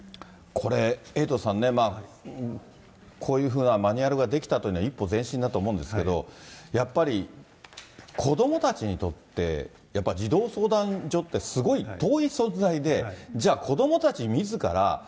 これ、エイトさんね、こういうふうなマニュアルができたというのは一歩前進だと思うんですけど、やっぱり、子どもたちにとって、やっぱ児童相談所ってすごい遠い存在で、じゃあ、子どもたちみずから